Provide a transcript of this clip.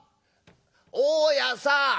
大家さん！